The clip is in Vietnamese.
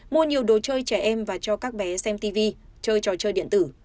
mua nhiều đồ chơi trẻ em và cho các bé xem tv chơi trò chơi điện tử